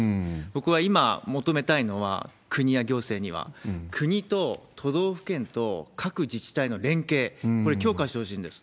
僕は今、求めたいのは、国や行政には、国と都道府県と各自治体の連携、これ、強化してほしいんです。